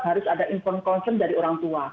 harus ada inform konsum dari orang tua